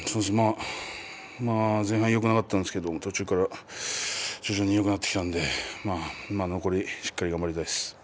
前半よくなかったんですけれど途中から、よくなってきたので残りしっかり頑張りたいです。